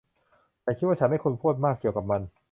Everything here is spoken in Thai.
ฉันคิดว่าฉันไม่ควรพูดมากเกี่ยวกับมัน